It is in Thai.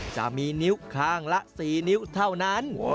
จะมีนิ้วข้างละ๔นิ้วเท่านั้น